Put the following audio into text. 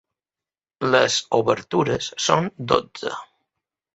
Les obertures són dotze.